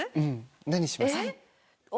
何します？